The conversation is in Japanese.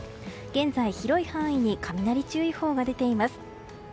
現在、広い範囲に雷注意報が出ています。